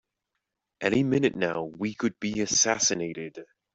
Any minute now we could be assassinated!